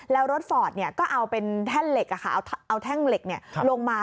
แล้วรถฟอร์ดก็เอาเป็นแท่งเหล็กเอาแท่งเหล็กลงมา